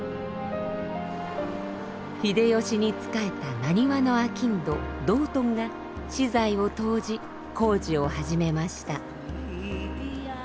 秀吉に仕えた浪花の商人道頓が私財を投じ工事を始めました。